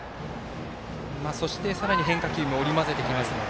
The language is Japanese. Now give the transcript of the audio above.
そして、さらに変化球も織り交ぜてきますので。